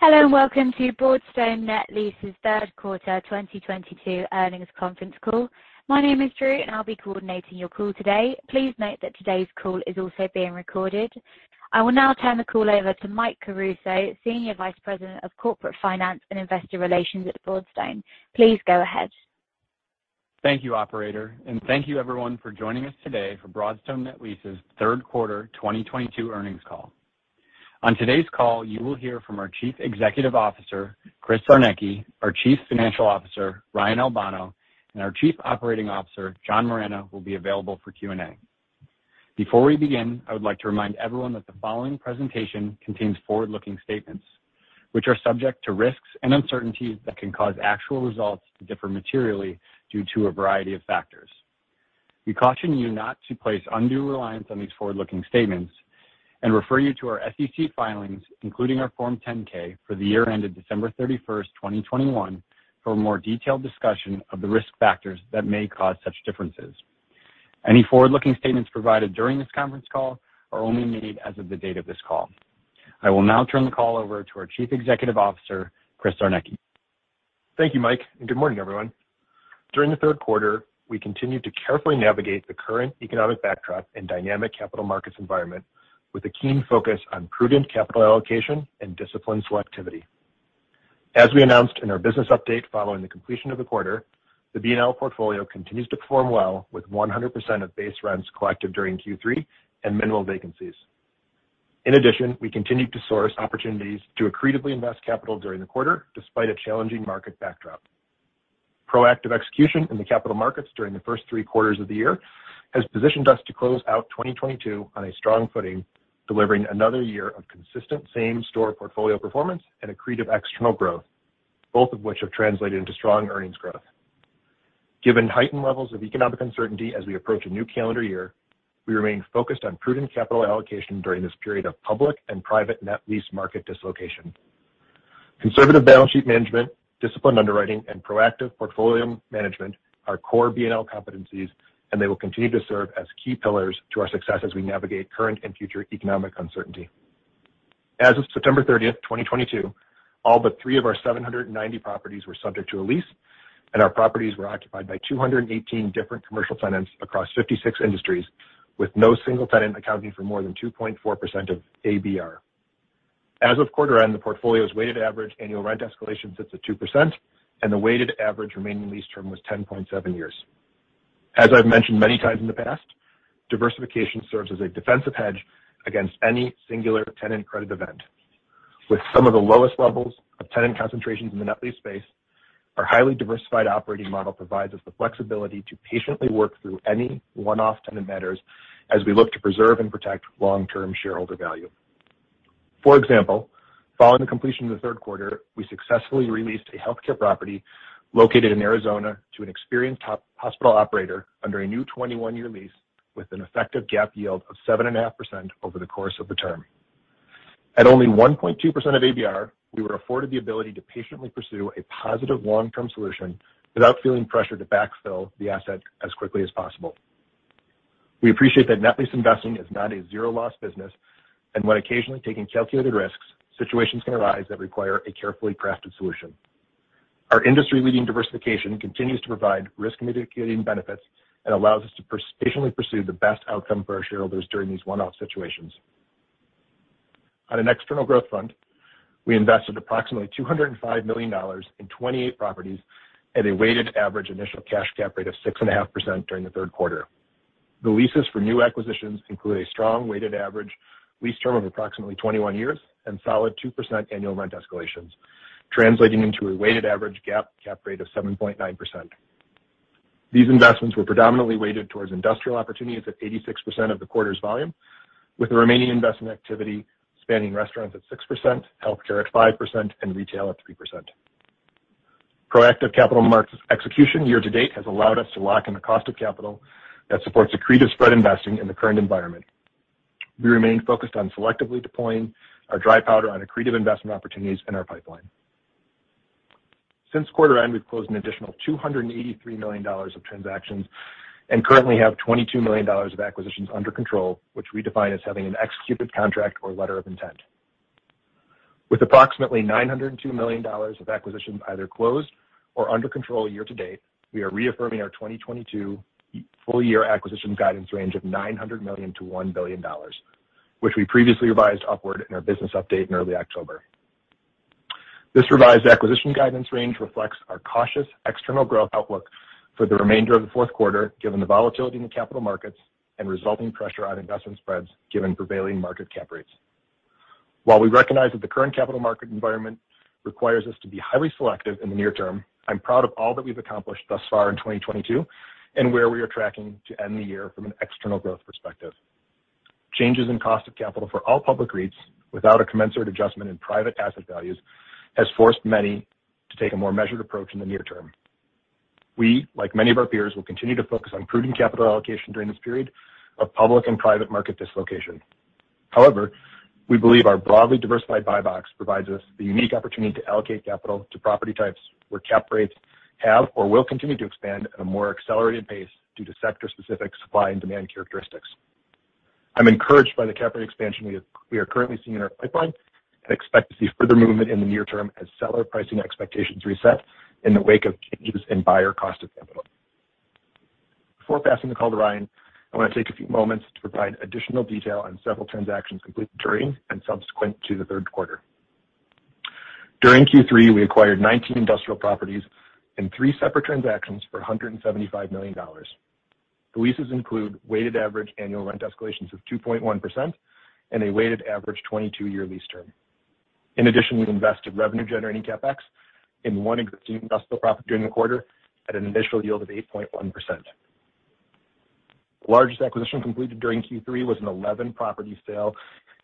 Hello, and welcome to Broadstone Net Lease's third quarter 2022 earnings conference call. My name is Drew, and I'll be coordinating your call today. Please note that today's call is also being recorded. I will now turn the call over to Michael Caruso, Senior Vice President of Corporate Finance and Investor Relations at Broadstone. Please go ahead. Thank you, operator, and thank you everyone for joining us today for Broadstone Net Lease's third quarter 2022 earnings call. On today's call, you will hear from our Chief Executive Officer, Chris Czarnecki, our Chief Financial Officer, Ryan Albano, and our Chief Operating Officer, John Moragne, will be available for Q&A. Before we begin, I would like to remind everyone that the following presentation contains forward-looking statements, which are subject to risks and uncertainties that can cause actual results to differ materially due to a variety of factors. We caution you not to place undue reliance on these forward-looking statements and refer you to our SEC filings, including our Form 10-K for the year ended December 31, 2021, for a more detailed discussion of the risk factors that may cause such differences. Any forward-looking statements provided during this conference call are only made as of the date of this call. I will now turn the call over to our Chief Executive Officer, Chris Czarnecki. Thank you, Mike, and good morning, everyone. During the third quarter, we continued to carefully navigate the current economic backdrop and dynamic capital markets environment with a keen focus on prudent capital allocation and disciplined selectivity. As we announced in our business update following the completion of the quarter, the BNL portfolio continues to perform well, with 100% of base rents collected during Q3 and minimal vacancies. In addition, we continued to source opportunities to accretively invest capital during the quarter, despite a challenging market backdrop. Proactive execution in the capital markets during the first three quarters of the year has positioned us to close out 2022 on a strong footing, delivering another year of consistent same-store portfolio performance and accretive external growth, both of which have translated into strong earnings growth. Given heightened levels of economic uncertainty as we approach a new calendar year, we remain focused on prudent capital allocation during this period of public and private net lease market dislocation. Conservative balance sheet management, disciplined underwriting, and proactive portfolio management are core BNL competencies, and they will continue to serve as key pillars to our success as we navigate current and future economic uncertainty. As of September 30, 2022, all but three of our 790 properties were subject to a lease, and our properties were occupied by 218 different commercial tenants across 56 industries, with no single tenant accounting for more than 2.4% of ABR. As of quarter end, the portfolio's weighted average annual rent escalation sits at 2%, and the weighted average remaining lease term was 10.7 years. As I've mentioned many times in the past, diversification serves as a defensive hedge against any singular tenant credit event. With some of the lowest levels of tenant concentrations in the net lease space, our highly diversified operating model provides us the flexibility to patiently work through any one-off tenant matters as we look to preserve and protect long-term shareholder value. For example, following the completion of the third quarter, we successfully re-leased a healthcare property located in Arizona to an experienced hospital operator under a new 21-year lease with an effective GAAP yield of 7.5% over the course of the term. At only 1.2% of ABR, we were afforded the ability to patiently pursue a positive long-term solution without feeling pressured to backfill the asset as quickly as possible. We appreciate that net lease investing is not a zero-loss business, and when occasionally taking calculated risks, situations can arise that require a carefully crafted solution. Our industry-leading diversification continues to provide risk-mitigating benefits and allows us to patiently pursue the best outcome for our shareholders during these one-off situations. On an external growth front, we invested approximately $205 million in 28 properties at a weighted average initial cash GAAP rate of 6.5% during the third quarter. The leases for new acquisitions include a strong weighted average lease term of approximately 21 years and solid 2% annual rent escalations, translating into a weighted average GAAP cap rate of 7.9%. These investments were predominantly weighted towards industrial opportunities at 86% of the quarter's volume, with the remaining investment activity spanning restaurants at 6%, healthcare at 5%, and retail at 3%. Proactive capital markets execution year to date has allowed us to lock in the cost of capital that supports accretive spread investing in the current environment. We remain focused on selectively deploying our dry powder on accretive investment opportunities in our pipeline. Since quarter end, we've closed an additional $283 million of transactions and currently have $22 million of acquisitions under control, which we define as having an executed contract or letter of intent. With approximately $902 million of acquisitions either closed or under control year to date, we are reaffirming our 2022 full year acquisition guidance range of $900 million-$1 billion, which we previously revised upward in our business update in early October. This revised acquisition guidance range reflects our cautious external growth outlook for the remainder of the fourth quarter, given the volatility in the capital markets and resulting pressure on investment spreads given prevailing market cap rates. While we recognize that the current capital market environment requires us to be highly selective in the near term, I'm proud of all that we've accomplished thus far in 2022 and where we are tracking to end the year from an external growth perspective. Changes in cost of capital for all public REITs without a commensurate adjustment in private asset values has forced many to take a more measured approach in the near term. We, like many of our peers, will continue to focus on prudent capital allocation during this period of public and private market dislocation. However, we believe our broadly diversified buybox provides us the unique opportunity to allocate capital to property types where cap rates have or will continue to expand at a more accelerated pace due to sector-specific supply and demand characteristics. I'm encouraged by the cap rate expansion we are currently seeing in our pipeline, and expect to see further movement in the near term as seller pricing expectations reset in the wake of changes in buyer cost of capital. Before passing the call to Ryan, I want to take a few moments to provide additional detail on several transactions completed during and subsequent to the third quarter. During Q3, we acquired 19 industrial properties in 3 separate transactions for $175 million. The leases include weighted average annual rent escalations of 2.1% and a weighted average 22-year lease term. In addition, we invested revenue generating CapEx in 1 existing industrial property during the quarter at an initial yield of 8.1%. The largest acquisition completed during Q3 was an 11-property sale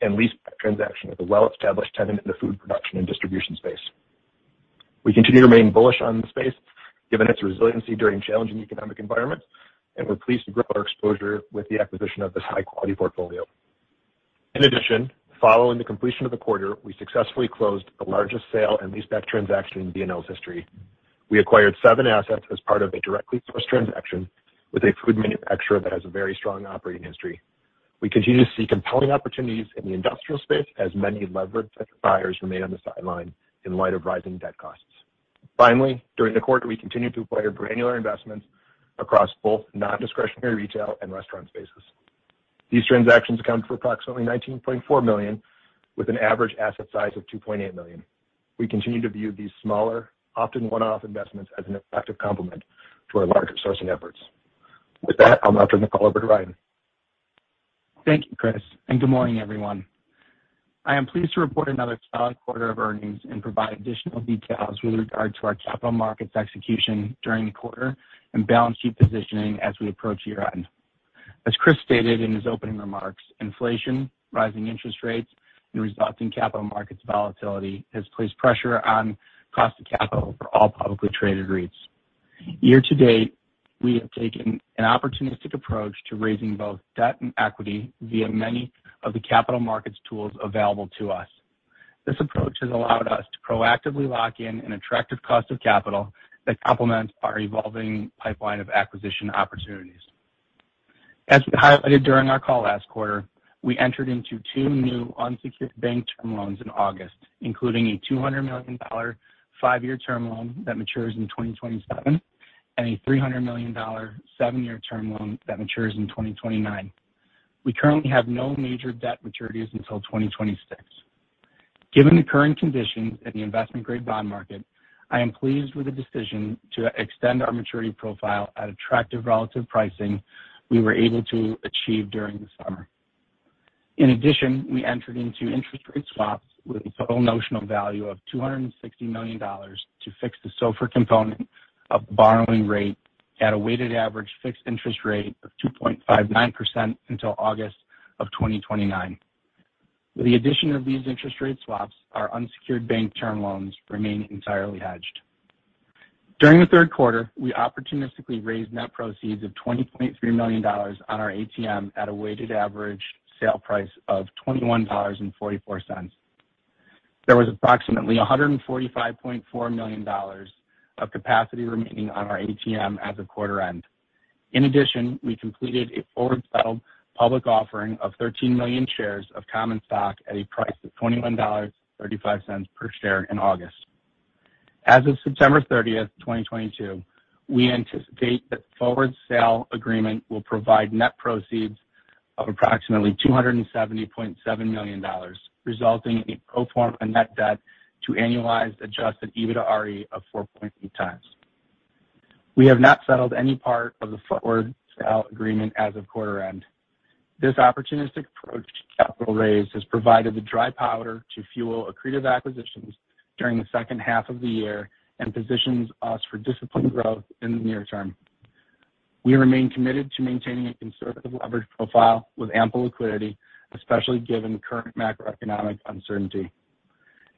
and leaseback transaction with a well-established tenant in the food production and distribution space. We continue to remain bullish on the space given its resiliency during challenging economic environments, and we're pleased to grow our exposure with the acquisition of this high-quality portfolio. In addition, following the completion of the quarter, we successfully closed the largest sale and leaseback transaction in BNL's history. We acquired seven assets as part of a directly sourced transaction with a food manufacturer that has a very strong operating history. We continue to see compelling opportunities in the industrial space as many levered buyers remain on the sideline in light of rising debt costs. Finally, during the quarter, we continued to acquire granular investments across both non-discretionary retail and restaurant spaces. These transactions account for approximately $19.4 million, with an average asset size of $2.8 million. We continue to view these smaller, often one-off investments as an effective complement to our larger sourcing efforts. With that, I'll now turn the call over to Ryan. Thank you, Chris, and good morning, everyone. I am pleased to report another solid quarter of earnings and provide additional details with regard to our capital markets execution during the quarter and balance sheet positioning as we approach year-end. As Chris stated in his opening remarks, inflation, rising interest rates, and resulting capital markets volatility has placed pressure on cost of capital for all publicly traded REITs. Year to date, we have taken an opportunistic approach to raising both debt and equity via many of the capital markets tools available to us. This approach has allowed us to proactively lock in an attractive cost of capital that complements our evolving pipeline of acquisition opportunities. As we highlighted during our call last quarter, we entered into two new unsecured bank term loans in August, including a $200 million five-year term loan that matures in 2027, and a $300 million seven-year term loan that matures in 2029. We currently have no major debt maturities until 2026. Given the current conditions in the investment-grade bond market, I am pleased with the decision to extend our maturity profile at attractive relative pricing we were able to achieve during the summer. In addition, we entered into interest rate swaps with a total notional value of $260 million to fix the SOFR component of the borrowing rate at a weighted average fixed interest rate of 2.59% until August of 2029. With the addition of these interest rate swaps, our unsecured bank term loans remain entirely hedged. During the third quarter, we opportunistically raised net proceeds of $20.3 million on our ATM at a weighted average sale price of $21.44. There was approximately $145.4 million of capacity remaining on our ATM as of quarter end. In addition, we completed a forward settled public offering of 13 million shares of common stock at a price of $21.35 per share in August. As of September 30, 2022, we anticipate that the forward sale agreement will provide net proceeds of approximately $270.7 million, resulting in a pro forma net debt to annualized adjusted EBITDAre of 4.8 times. We have not settled any part of the forward sale agreement as of quarter end. This opportunistic approach to capital raise has provided the dry powder to fuel accretive acquisitions during the second half of the year and positions us for disciplined growth in the near term. We remain committed to maintaining a conservative leverage profile with ample liquidity, especially given the current macroeconomic uncertainty.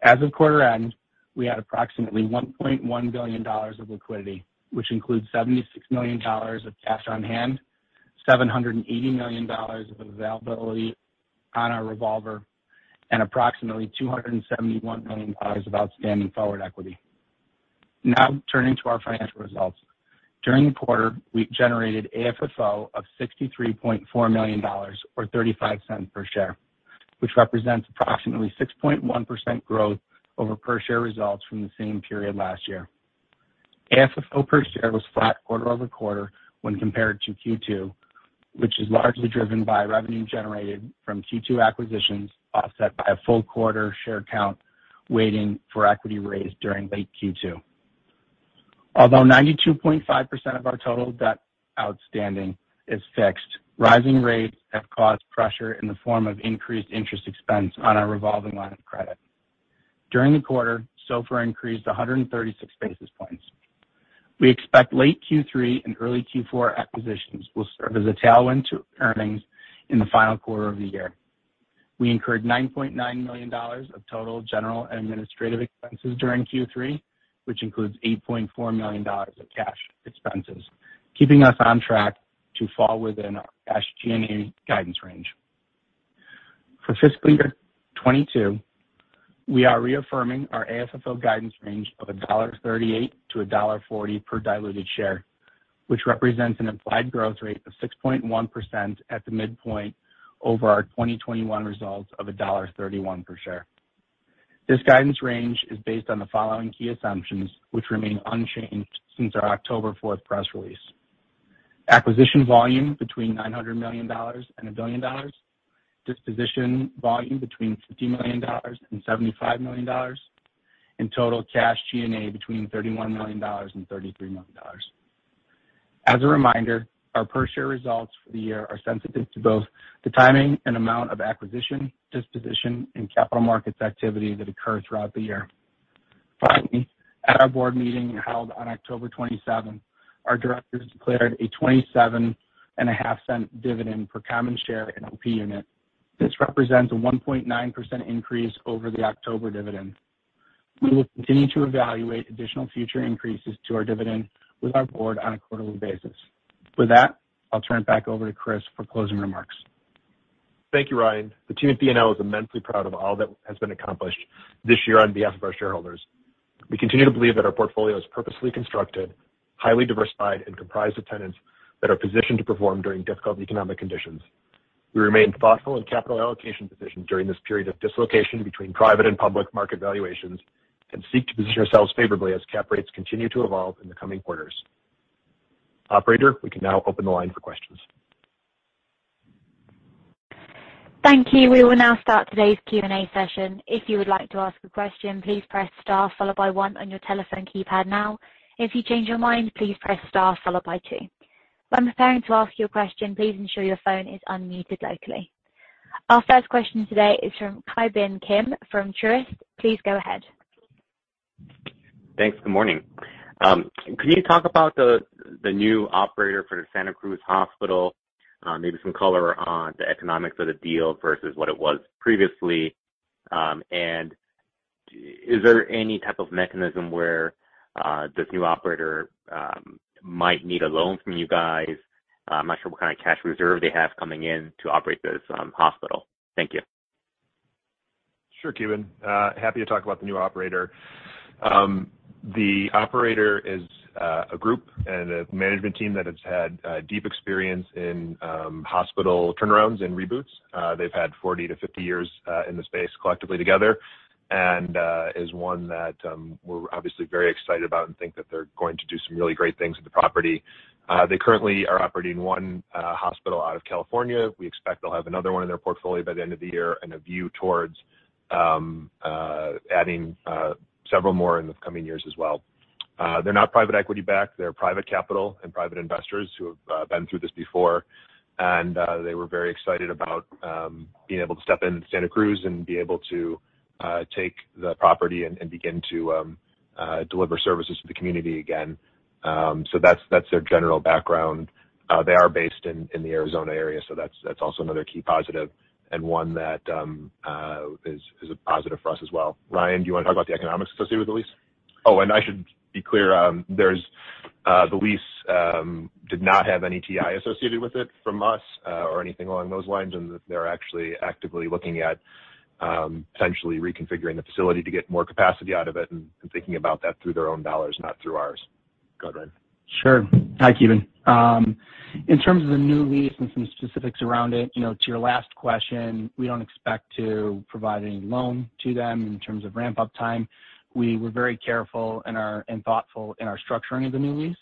As of quarter end, we had approximately $1.1 billion of liquidity, which includes $76 million of cash on hand, $780 million of availability on our revolver, and approximately $271 million of outstanding forward equity. Now turning to our financial results. During the quarter, we generated AFFO of $63.4 million or $0.35 per share, which represents approximately 6.1% growth over per share results from the same period last year. AFFO per share was flat quarter-over-quarter when compared to Q2, which is largely driven by revenue generated from Q2 acquisitions, offset by a full quarter share count weighting for equity raised during late Q2. Although 92.5% of our total debt outstanding is fixed, rising rates have caused pressure in the form of increased interest expense on our revolving line of credit. During the quarter, SOFR increased 136 basis points. We expect late Q3 and early Q4 acquisitions will serve as a tailwind to earnings in the final quarter of the year. We incurred $9.9 million of total general and administrative expenses during Q3, which includes $8.4 million of cash expenses, keeping us on track to fall within our cash G&A guidance range. For fiscal year 2022, we are reaffirming our AFFO guidance range of $1.38-$1.40 per diluted share, which represents an implied growth rate of 6.1% at the midpoint over our 2021 results of $1.31 per share. This guidance range is based on the following key assumptions, which remain unchanged since our October 4 press release. Acquisition volume between $900 million and $1 billion. Disposition volume between $50 million and $75 million. Total cash G&A between $31 million and $33 million. As a reminder, our per share results for the year are sensitive to both the timing and amount of acquisition, disposition, and capital markets activity that occur throughout the year. Finally, at our board meeting held on October 27, our directors declared a $0.275 dividend per common share and OP Unit. This represents a 1.9% increase over the October dividend. We will continue to evaluate additional future increases to our dividend with our board on a quarterly basis. With that, I'll turn it back over to Chris for closing remarks. Thank you, Ryan. The team at BNL is immensely proud of all that has been accomplished this year on behalf of our shareholders. We continue to believe that our portfolio is purposely constructed, highly diversified, and comprised of tenants that are positioned to perform during difficult economic conditions. We remain thoughtful in capital allocation decisions during this period of dislocation between private and public market valuations, and seek to position ourselves favorably as cap rates continue to evolve in the coming quarters. Operator, we can now open the line for questions. Thank you. We will now start today's Q&A session. If you would like to ask a question, please press star followed by one on your telephone keypad now. If you change your mind, please press star followed by two. When preparing to ask your question, please ensure your phone is unmuted locally. Our first question today is from Ki Bin Kim from Truist. Please go ahead. Thanks. Good morning. Could you talk about the new operator for the Santa Cruz Hospital? Maybe some color on the economics of the deal versus what it was previously. Is there any type of mechanism where this new operator might need a loan from you guys? I'm not sure what kind of cash reserve they have coming in to operate this hospital. Thank you. Sure, Ki Bin. Happy to talk about the new operator. The operator is a group and a management team that has had deep experience in hospital turnarounds and reboots. They've had 40-50 years in the space collectively together, and is one that we're obviously very excited about and think that they're going to do some really great things with the property. They currently are operating one hospital out of California. We expect they'll have another one in their portfolio by the end of the year and a view towards adding several more in the coming years as well. They're not private equity backed. They're private capital and private investors who have been through this before. They were very excited about being able to step into Santa Cruz and be able to take the property and begin to deliver services to the community again. That's their general background. They are based in the Arizona area. That's also another key positive and one that is a positive for us as well. Ryan, do you want to talk about the economics associated with the lease? I should be clear. The lease did not have any TI associated with it from us or anything along those lines, and they're actually actively looking at potentially reconfiguring the facility to get more capacity out of it and thinking about that through their own dollars, not through ours. Go ahead, Ryan. Sure. Hi, Ki Bin. In terms of the new lease and some specifics around it, you know, to your last question, we don't expect to provide any loan to them in terms of ramp-up time. We were very careful and thoughtful in our structuring of the new lease,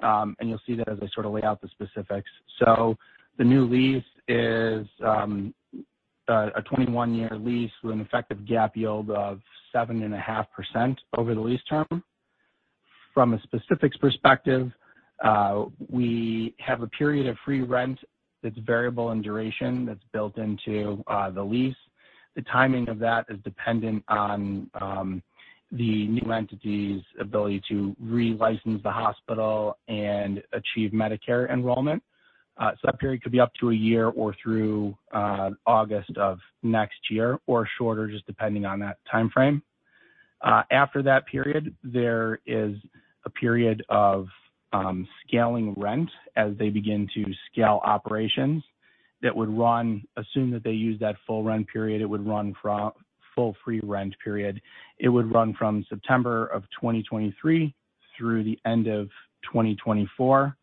and you'll see that as I sort of lay out the specifics. The new lease is a 21-year lease with an effective GAAP yield of 7.5% over the lease term. From a specifics perspective, we have a period of free rent that's variable in duration that's built into the lease. The timing of that is dependent on the new entity's ability to re-license the hospital and achieve Medicare enrollment. That period could be up to a year or through August of next year or shorter, just depending on that timeframe. After that period, there is a period of scaling rent as they begin to scale operations. Assume that they use that full rent period. It would run from September of 2023 through the end of 2024,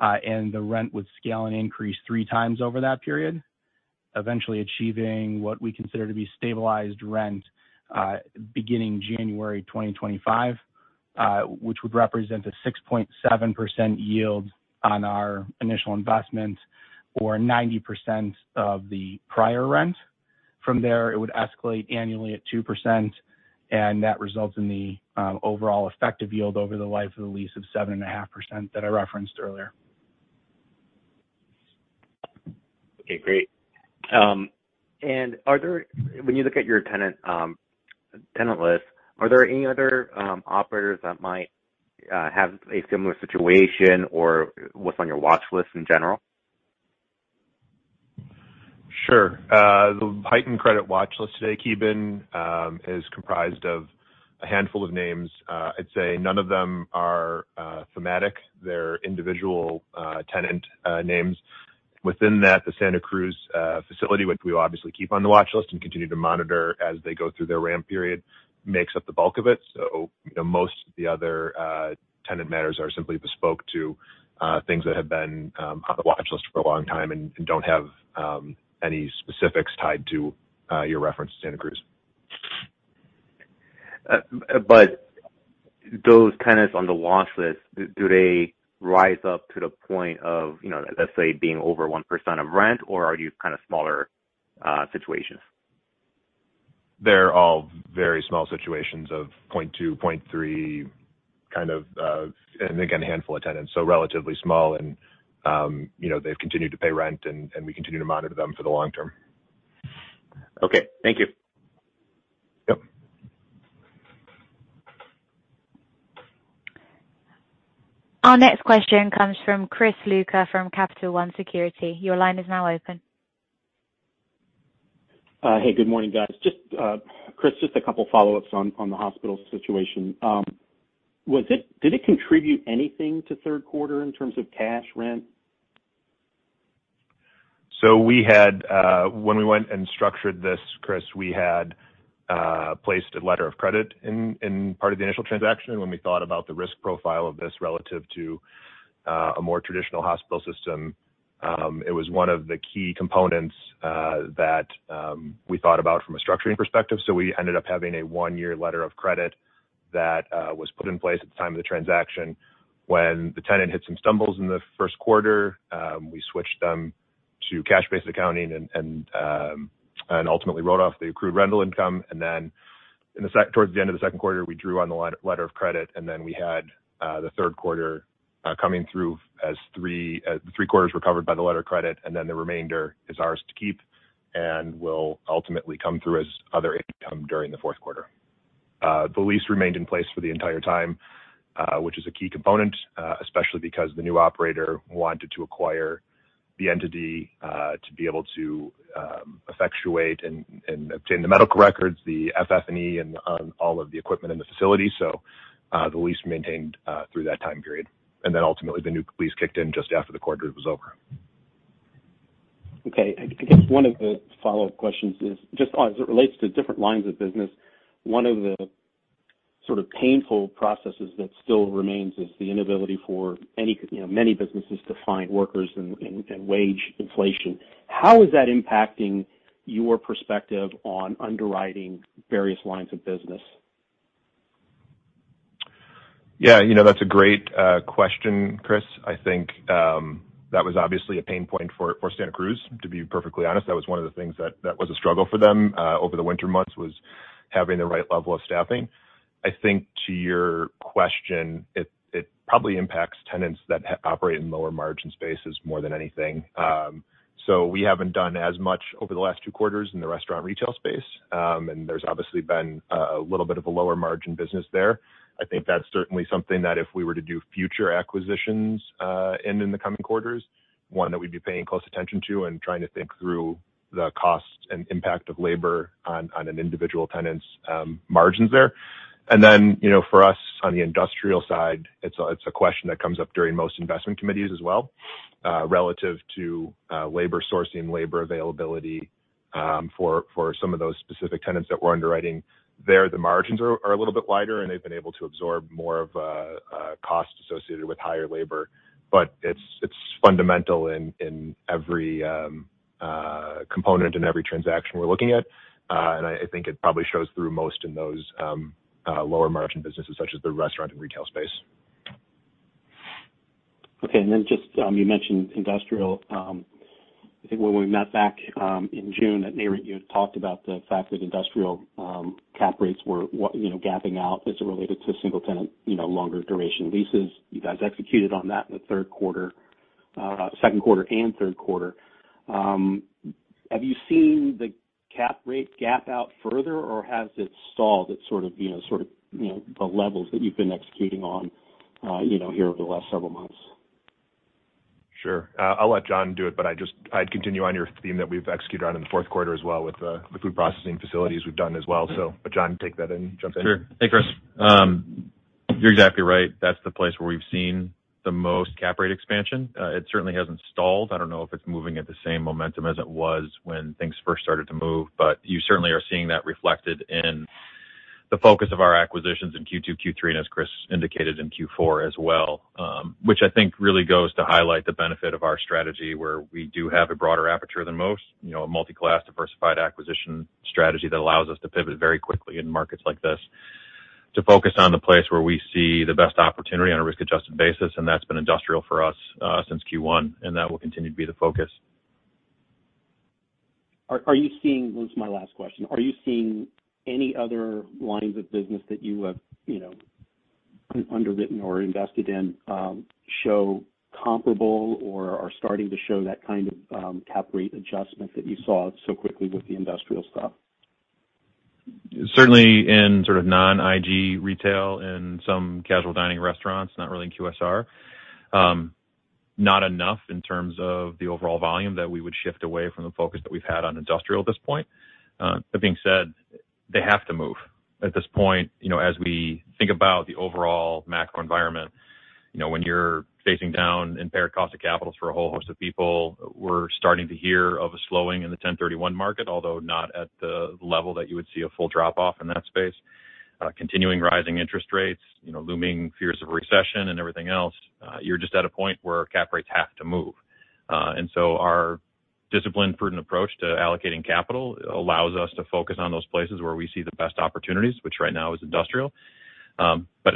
and the rent would scale and increase three times over that period. Eventually achieving what we consider to be stabilized rent beginning January 2025, which would represent a 6.7% yield on our initial investment or 90% of the prior rent. From there, it would escalate annually at 2%, and that results in the overall effective yield over the life of the lease of 7.5% that I referenced earlier. Okay, great. When you look at your tenant list, are there any other operators that might have a similar situation or what's on your watch list in general? Sure. The heightened credit watch list today, Ki Bin Kim, is comprised of a handful of names. I'd say none of them are thematic. They're individual tenant names. Within that, the Santa Cruz facility, which we obviously keep on the watch list and continue to monitor as they go through their ramp period, makes up the bulk of it. You know, most of the other tenant matters are simply bespoke to things that have been on the watch list for a long time and don't have any specifics tied to your reference to Santa Cruz. Those tenants on the watch list, do they rise up to the point of, you know, let's say being over 1% of rent, or are you kind of smaller situations? They're all very small situations of 0.2, 0.3, kind of. Again, a handful of tenants, so relatively small and, you know, they've continued to pay rent and we continue to monitor them for the long term. Okay. Thank you. Yep. Our next question comes from Chris Lucas from Capital One Securities. Your line is now open. Hey, good morning, guys. Just, Chris, just a couple follow-ups on the hospital situation. Did it contribute anything to third quarter in terms of cash rent? We had, when we went and structured this, Chris, we had placed a letter of credit in part of the initial transaction. When we thought about the risk profile of this relative to a more traditional hospital system, it was one of the key components that we thought about from a structuring perspective. We ended up having a one-year letter of credit that was put in place at the time of the transaction. When the tenant hit some stumbles in the first quarter, we switched them to cash-based accounting and ultimately wrote off the accrued rental income. Towards the end of the second quarter, we drew on the letter of credit, and then we had the third quarter coming through as the three quarters were covered by the letter of credit, and then the remainder is ours to keep and will ultimately come through as other income during the fourth quarter. The lease remained in place for the entire time, which is a key component, especially because the new operator wanted to acquire the entity to be able to effectuate and obtain the medical records, the FF&E and all of the equipment in the facility. The lease maintained through that time period. Then ultimately, the new lease kicked in just after the quarter was over. Okay. I guess one of the follow-up questions is just as it relates to different lines of business, one of the sort of painful processes that still remains is the inability for any, you know, many businesses to find workers and wage inflation. How is that impacting your perspective on underwriting various lines of business? Yeah. You know, that's a great question, Chris. I think that was obviously a pain point for Santa Cruz, to be perfectly honest. That was one of the things that was a struggle for them over the winter months, was having the right level of staffing. I think to your question, it probably impacts tenants that operate in lower margin spaces more than anything. We haven't done as much over the last two quarters in the restaurant retail space. There's obviously been a little bit of a lower margin business there. I think that's certainly something that if we were to do future acquisitions in the coming quarters, one that we'd be paying close attention to and trying to think through the cost and impact of labor on an individual tenant's margins there. You know, for us on the industrial side, it's a question that comes up during most investment committees as well, relative to labor sourcing, labor availability, for some of those specific tenants that we're underwriting. Their margins are a little bit wider, and they've been able to absorb more of cost associated with higher labor. It's fundamental in every component in every transaction we're looking at. I think it probably shows through most in those lower margin businesses such as the restaurant and retail space. Okay. Just, you mentioned industrial. I think when we met back in June at NAREIT, you had talked about the fact that industrial cap rates were, what, you know, gapping out as it related to single tenant, you know, longer duration leases. You guys executed on that in the third quarter, second quarter and third quarter. Have you seen the cap rate gap out further, or has it stalled at sort of, you know, sort of, you know, the levels that you've been executing on, you know, here over the last several months? Sure. I'll let John do it, but I'd continue on your theme that we've executed on in the fourth quarter as well with the food processing facilities we've done as well. John, take that and jump in. Sure. Hey, Chris. You're exactly right. That's the place where we've seen the most cap rate expansion. It certainly hasn't stalled. I don't know if it's moving at the same momentum as it was when things first started to move, but you certainly are seeing that reflected in the focus of our acquisitions in Q2, Q3, and as Chris indicated, in Q4 as well, which I think really goes to highlight the benefit of our strategy, where we do have a broader aperture than most, you know, a multi-class diversified acquisition strategy that allows us to pivot very quickly in markets like this to focus on the place where we see the best opportunity on a risk-adjusted basis. That's been industrial for us since Q1, and that will continue to be the focus. This is my last question. Are you seeing any other lines of business that you have, you know, underwritten or invested in, show comparable or are starting to show that kind of cap rate adjustment that you saw so quickly with the industrial stuff? Certainly in sort of non-IG retail and some casual dining restaurants, not really in QSR. Not enough in terms of the overall volume that we would shift away from the focus that we've had on industrial at this point. That being said, they have to move. At this point, you know, as we think about the overall macro environment, you know, when you're facing down impaired cost of capitals for a whole host of people, we're starting to hear of a slowing in the 1031 market, although not at the level that you would see a full drop off in that space. Continuing rising interest rates, you know, looming fears of recession and everything else, you're just at a point where cap rates have to move. Our disciplined, prudent approach to allocating capital allows us to focus on those places where we see the best opportunities, which right now is industrial.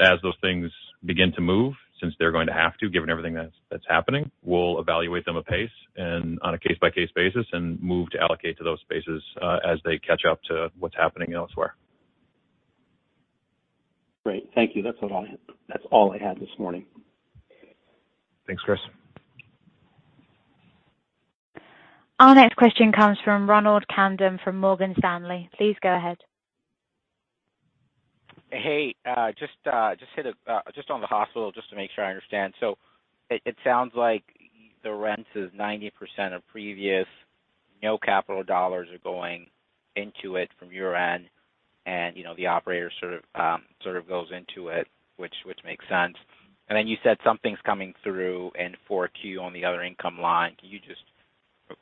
As those things begin to move, since they're going to have to, given everything that's happening, we'll evaluate them apace and on a case-by-case basis and move to allocate to those spaces, as they catch up to what's happening elsewhere. Great. Thank you. That's what I had. That's all I had this morning. Thanks, Chris. Our next question comes from Ronald Kamdem from Morgan Stanley. Please go ahead. Hey, just hit on the hospital just to make sure I understand. It sounds like the rent is 90% of previous, no capital dollars are going into it from your end, and, you know, the operator sort of goes into it, which makes sense. Then you said something's coming through in 4Q on the other income line. Can you just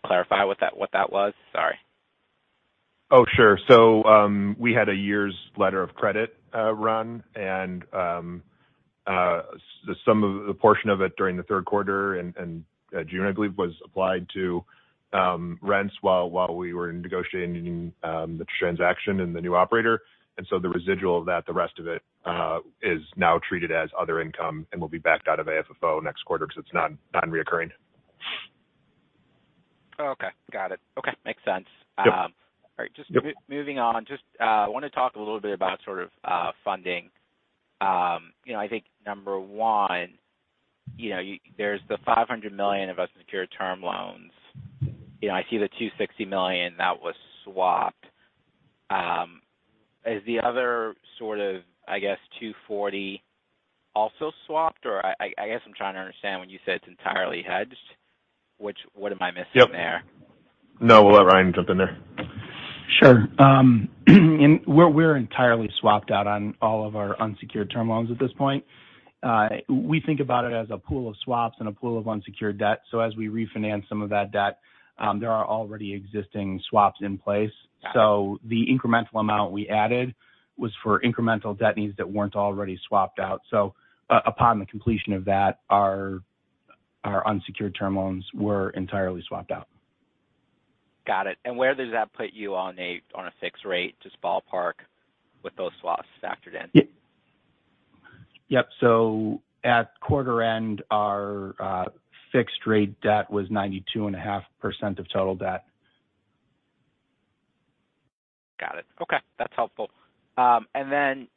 clarify what that was? Sorry. Oh, sure. We had a year's letter of credit run, and the sum of the portion of it during the third quarter and June, I believe, was applied to rents while we were negotiating the transaction and the new operator. The residual of that, the rest of it, is now treated as other income and will be backed out of AFFO next quarter 'cause it's non-recurring. Okay. Got it. Okay. Makes sense. Yep. All right. Just moving on, just want to talk a little bit about sort of funding. You know, I think number one, you know, there's the $500 million of unsecured term loans. You know, I see the $260 million that was swapped. Is the other sort of, I guess, $240 also swapped? Or I guess I'm trying to understand when you said it's entirely hedged, which, what am I missing there? Yep. No, we'll let Ryan jump in there. Sure. We're entirely swapped out on all of our unsecured term loans at this point. We think about it as a pool of swaps and a pool of unsecured debt. As we refinance some of that debt, there are already existing swaps in place. The incremental amount we added was for incremental debt needs that weren't already swapped out. Upon the completion of that, our unsecured term loans were entirely swapped out. Got it. Where does that put you on a fixed rate, just ballpark with those swaps factored in? Yep. At quarter end, our fixed rate debt was 92.5% of total debt. Got it. Okay, that's helpful. Obviously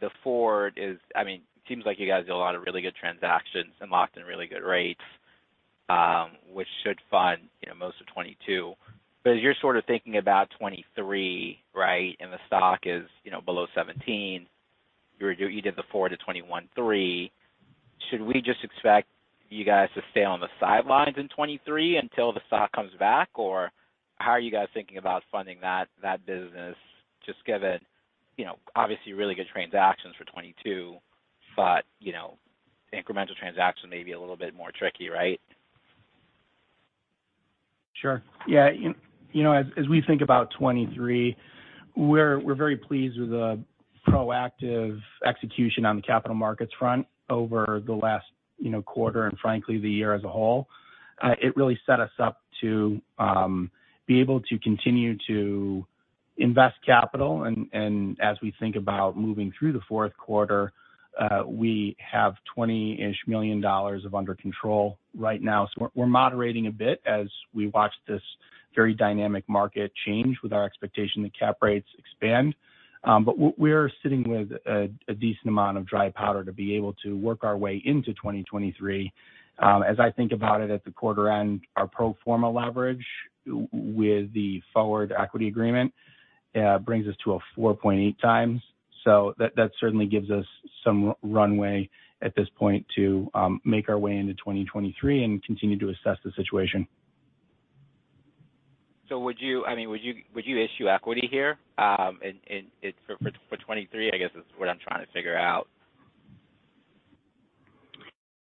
the forward is, I mean, it seems like you guys do a lot of really good transactions and locked in really good rates, which should fund, you know, most of 2022. As you're sort of thinking about 2023, right, and the stock is, you know, below $17, you did the forward to 2023. Should we just expect you guys to stay on the sidelines in 2023 until the stock comes back? How are you guys thinking about funding that business, just given, you know, obviously really good transactions for 2022, but, you know, incremental transaction may be a little bit more tricky, right? Sure. Yeah. You know, as we think about 2023, we're very pleased with the proactive execution on the capital markets front over the last, you know, quarter and frankly, the year as a whole. It really set us up to be able to continue to invest capital. As we think about moving through the fourth quarter, we have $20-ish million under contract right now. We're moderating a bit as we watch this very dynamic market change with our expectation that cap rates expand. We're sitting with a decent amount of dry powder to be able to work our way into 2023. As I think about it at the quarter end, our pro forma leverage with the forward equity agreement brings us to a 4.8x. That certainly gives us some runway at this point to make our way into 2023 and continue to assess the situation. Would you, I mean, issue equity here in 2023, I guess is what I'm trying to figure out?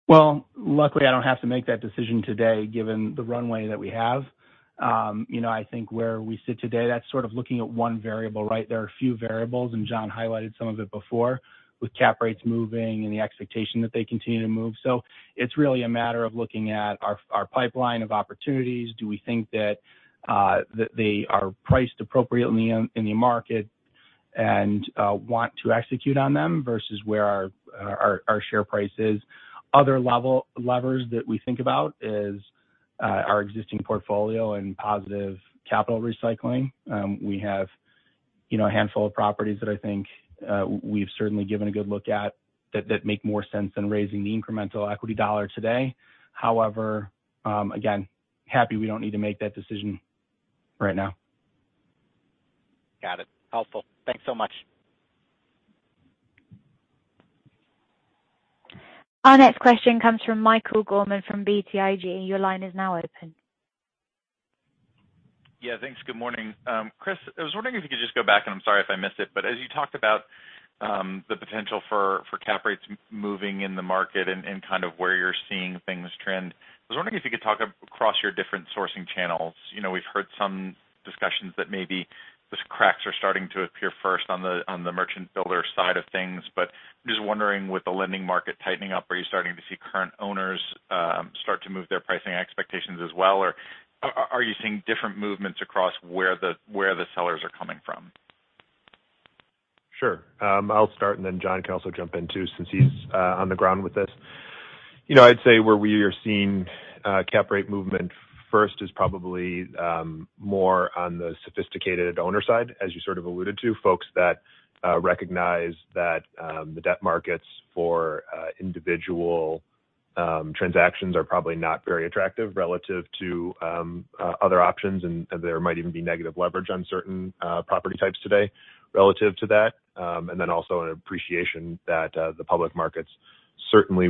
Well, luckily, I don't have to make that decision today given the runway that we have. You know, I think where we sit today, that's sort of looking at one variable, right? There are a few variables, and John highlighted some of it before with cap rates moving and the expectation that they continue to move. It's really a matter of looking at our pipeline of opportunities. Do we think that they are priced appropriately in the market and want to execute on them versus where our share price is? Other levers that we think about is our existing portfolio and positive capital recycling. We have, you know, a handful of properties that I think we've certainly given a good look at that make more sense than raising the incremental equity dollar today. However, again, happy we don't need to make that decision right now. Got it. Helpful. Thanks so much. Our next question comes from Michael Gorman from BTIG. Your line is now open. Yeah, thanks. Good morning. Chris, I was wondering if you could just go back, and I'm sorry if I missed it, but as you talked about the potential for cap rates moving in the market and kind of where you're seeing things trend. I was wondering if you could talk across your different sourcing channels. You know, we've heard some discussions that maybe those cracks are starting to appear first on the merchant builder side of things. But just wondering, with the lending market tightening up, are you starting to see current owners start to move their pricing expectations as well? Or are you seeing different movements across where the sellers are coming from? Sure. I'll start, and then John can also jump in too, since he's on the ground with this. You know, I'd say where we are seeing cap rate movement first is probably more on the sophisticated owner side, as you sort of alluded to. Folks that recognize that the debt markets for individual transactions are probably not very attractive relative to other options. There might even be negative leverage on certain property types today relative to that. Then also an appreciation that the public markets certainly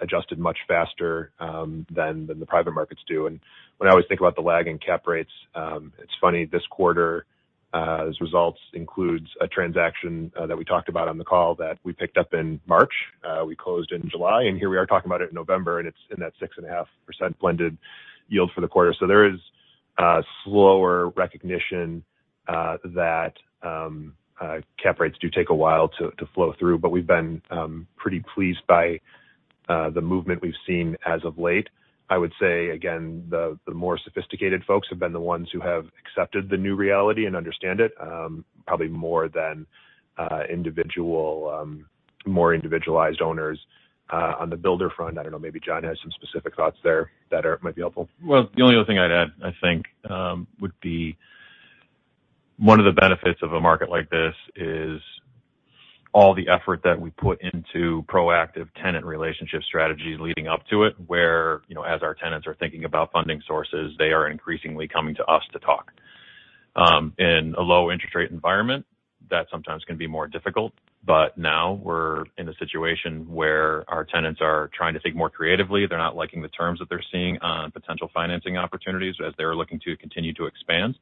adjusted much faster than the private markets do. When I always think about the lag in cap rates, it's funny, this quarter results includes a transaction that we talked about on the call that we picked up in March. We closed in July, and here we are talking about it in November, and it's in that 6.5% blended yield for the quarter. There is a slower recognition that cap rates do take a while to flow through. We've been pretty pleased by the movement we've seen as of late. I would say again, the more sophisticated folks have been the ones who have accepted the new reality and understand it probably more than individual more individualized owners. On the builder front, I don't know, maybe John has some specific thoughts there that might be helpful. Well, the only other thing I'd add, I think, would be one of the benefits of a market like this is all the effort that we put into proactive tenant relationship strategies leading up to it. Where, you know, as our tenants are thinking about funding sources, they are increasingly coming to us to talk. In a low interest rate environment, that sometimes can be more difficult. Now we're in a situation where our tenants are trying to think more creatively. They're not liking the terms that they're seeing on potential financing opportunities as they're looking to continue to expand.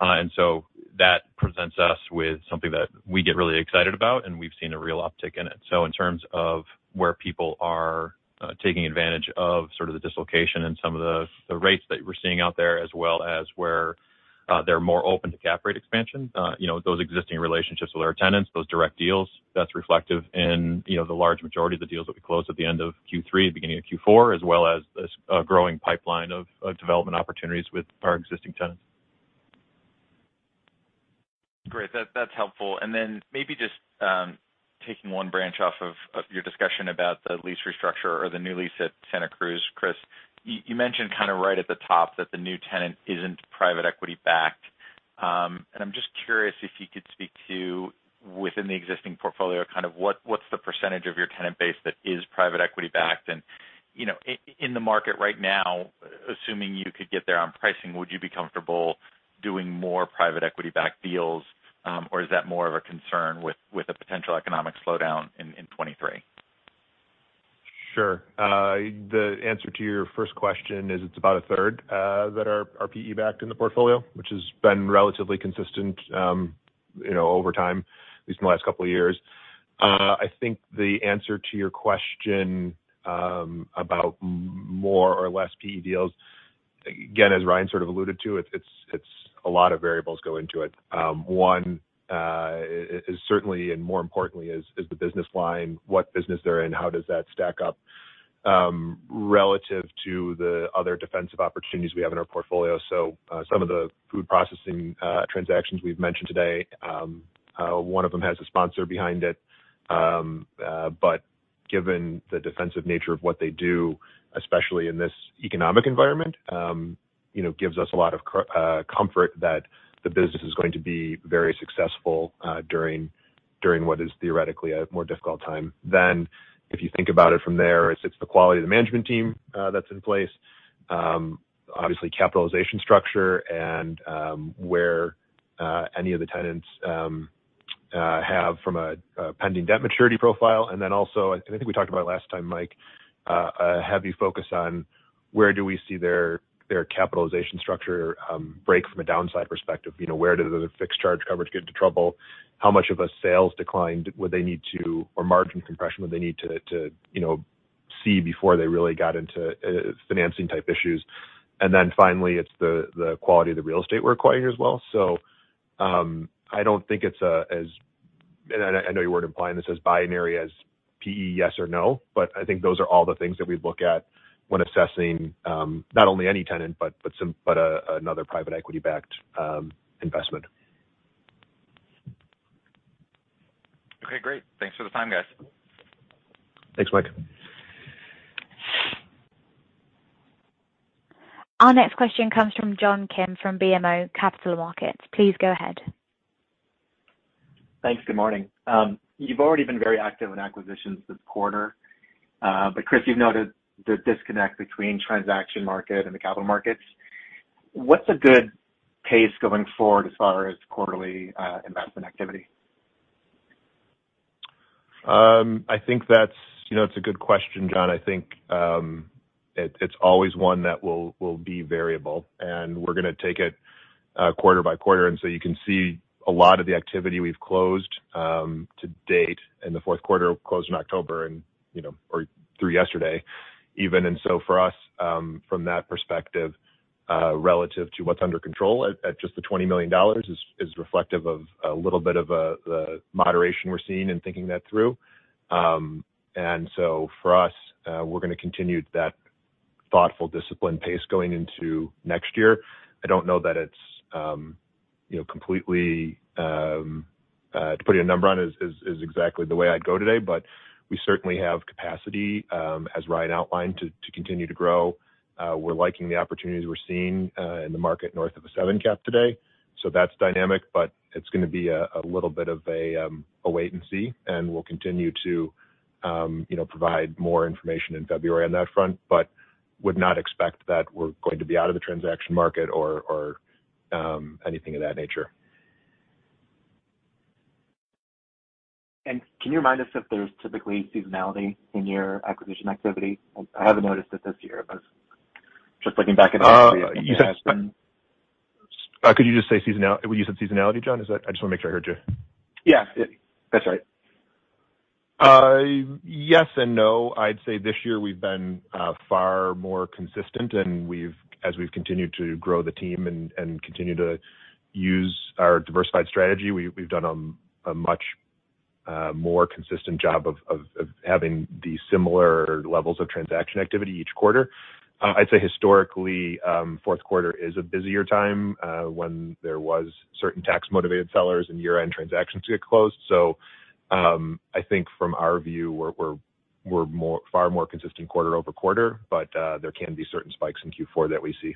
That presents us with something that we get really excited about, and we've seen a real uptick in it. In terms of where people are taking advantage of sort of the dislocation in some of the rates that we're seeing out there, as well as where they're more open to cap rate expansion. You know, those existing relationships with our tenants, those direct deals, that's reflective in, you know, the large majority of the deals that we closed at the end of Q3, beginning of Q4, as well as a growing pipeline of development opportunities with our existing tenants. Great. That's helpful. Maybe just taking one branch off of your discussion about the lease restructure or the new lease at Santa Cruz. Chris, you mentioned kind of right at the top that the new tenant isn't private equity backed. I'm just curious if you could speak to, within the existing portfolio, kind of what's the percentage of your tenant base that is private equity backed? You know, in the market right now, assuming you could get there on pricing, would you be comfortable doing more private equity backed deals? Is that more of a concern with the potential economic slowdown in 2023? Sure. The answer to your first question is it's about a third that are PE backed in the portfolio, which has been relatively consistent, you know, over time, at least in the last couple of years. I think the answer to your question about more or less PE deals. Again, as Ryan sort of alluded to, it's a lot of variables go into it. One is certainly and more importantly is the business line, what business they're in, how does that stack up relative to the other defensive opportunities we have in our portfolio. Some of the food processing transactions we've mentioned today, one of them has a sponsor behind it. Given the defensive nature of what they do, especially in this economic environment, you know, gives us a lot of comfort that the business is going to be very successful during what is theoretically a more difficult time. If you think about it from there, it's the quality of the management team that's in place. Obviously capital structure and where any of the tenants have a pending debt maturity profile. I think we talked about last time, Mike, a heavy focus on where do we see their capital structure break from a downside perspective. You know, where does the fixed charge coverage get into trouble? How much of a sales decline would they need or margin compression would they need to, you know, see before they really got into financing type issues. Finally, it's the quality of the real estate we're acquiring as well. I know you weren't implying this as binary as PE yes or no, but I think those are all the things that we look at when assessing not only any tenant, but another private equity backed investment. Okay, great. Thanks for the time, guys. Thanks, Mike. Our next question comes from John P. Kim from BMO Capital Markets. Please go ahead. Thanks. Good morning. You've already been very active in acquisitions this quarter. But Chris, you've noted the disconnect between transaction market and the capital markets. What's a good pace going forward as far as quarterly investment activity? I think that's, you know, it's a good question, John. I think it's always one that will be variable, and we're gonna take it quarter by quarter. You can see a lot of the activity we've closed to date in the fourth quarter, we closed in October and, you know, or through yesterday even. For us, from that perspective, relative to what's under control at just the $20 million is reflective of a little bit of the moderation we're seeing in thinking that through. For us, we're gonna continue that thoughtful, disciplined pace going into next year. I don't know that it's, you know, completely to put a number on is exactly the way I'd go today. We certainly have capacity, as Ryan outlined, to continue to grow. We're liking the opportunities we're seeing in the market north of the 7 cap today. That's dynamic, but it's gonna be a little bit of a wait and see, and we'll continue to, you know, provide more information in February on that front, but would not expect that we're going to be out of the transaction market or anything of that nature. Can you remind us if there's typically seasonality in your acquisition activity? I haven't noticed it this year, but just looking back at it. When you said seasonality, John, is that? I just wanna make sure I heard you. Yeah. That's right. Yes and no. I'd say this year we've been far more consistent, and as we've continued to grow the team and continue to use our diversified strategy, we've done a much more consistent job of having the similar levels of transaction activity each quarter. I'd say historically, fourth quarter is a busier time when there was certain tax motivated sellers and year-end transactions get closed. I think from our view, we're far more consistent quarter over quarter, but there can be certain spikes in Q4 that we see.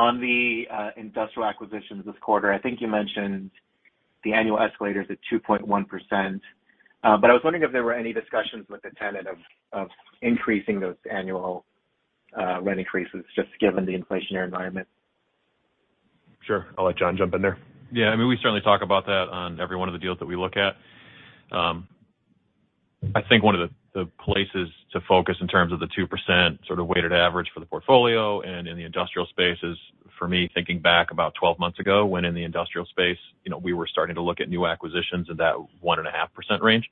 On the industrial acquisitions this quarter, I think you mentioned the annual escalators at 2.1%. I was wondering if there were any discussions with the tenant of increasing those annual rent increases, just given the inflationary environment. Sure. I'll let John jump in there. Yeah. I mean, we certainly talk about that on every one of the deals that we look at. I think one of the places to focus in terms of the 2% sort of weighted average for the portfolio and in the industrial space is, for me, thinking back about 12 months ago, when in the industrial space, you know, we were starting to look at new acquisitions in that 1.5% range.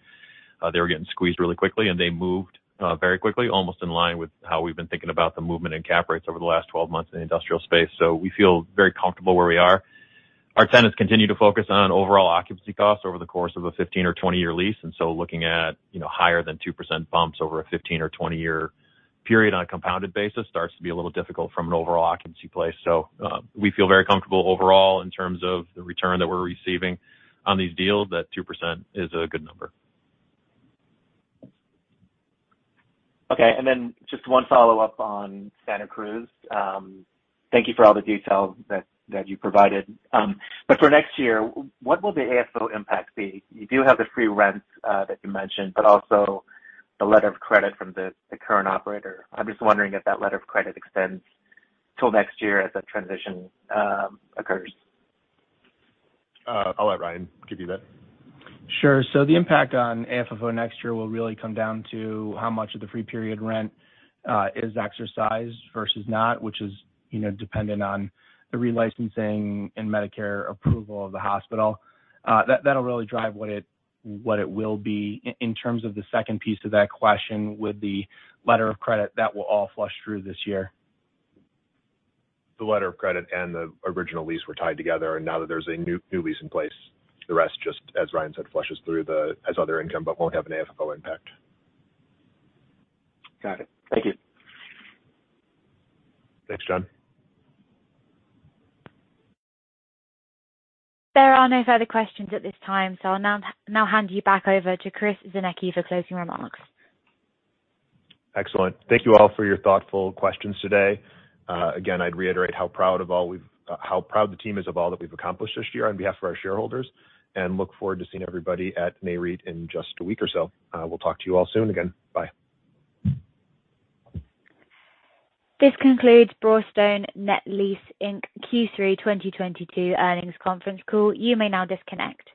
They were getting squeezed really quickly, and they moved very quickly, almost in line with how we've been thinking about the movement in cap rates over the last 12 months in the industrial space. We feel very comfortable where we are. Our tenants continue to focus on overall occupancy costs over the course of a 15 or 20 year lease, and so looking at, you know, higher than 2% bumps over a 15 or 20 year period on a compounded basis starts to be a little difficult from an overall occupancy place. We feel very comfortable overall in terms of the return that we're receiving on these deals, that 2% is a good number. Okay. Just one follow-up on Santa Cruz. Thank you for all the details that you provided. For next year, what will the AFFO impact be? You do have the free rents that you mentioned, but also the letter of credit from the current operator. I'm just wondering if that letter of credit extends till next year as the transition occurs. I'll let Ryan give you that. Sure. The impact on AFFO next year will really come down to how much of the free period rent is exercised versus not, which is, you know, dependent on the relicensing and Medicare approval of the hospital. That, that'll really drive what it will be. In terms of the second piece of that question with the letter of credit, that will all flush through this year. The letter of credit and the original lease were tied together, and now that there's a new lease in place, the rest, just as Ryan said, flushes through as other income, but won't have an AFFO impact. Got it. Thank you. Thanks, John. There are no further questions at this time, so I'll now hand you back over to Chris Czarnecki for closing remarks. Excellent. Thank you all for your thoughtful questions today. Again, I'd reiterate how proud the team is of all that we've accomplished this year on behalf of our shareholders, and look forward to seeing everybody at Nareit in just a week or so. We'll talk to you all soon again. Bye. This concludes Broadstone Net Lease, Inc. Q3 2022 earnings conference call. You may now disconnect.